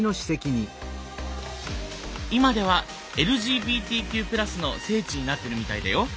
今ではＬＧＢＴＱ＋の聖地になってるみたいだよ。